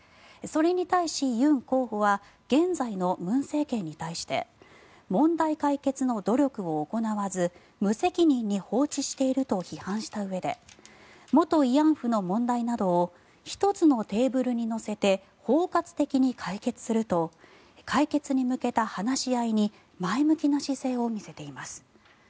それに対し、ユン候補は現在の文政権に対して問題解決の努力を行わず無責任に放置していると批判したうえで元慰安婦の問題などを１つのテーブルに乗せて包括的に解決すると解決に向けた話し合いに前向きな姿勢を見せています。